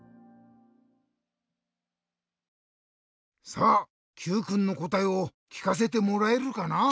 さあＱくんのこたえをきかせてもらえるかな？